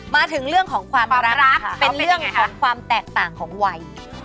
มาถึงเรื่องของความรักเป็นเรื่องของความแตกต่างของวัย